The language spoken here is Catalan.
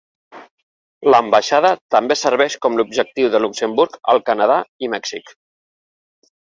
L'ambaixada també serveix com l'objectiu de Luxemburg al Canadà i Mèxic.